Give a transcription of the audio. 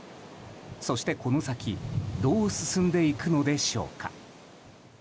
そして、この先どう進んでいくのでしょうか。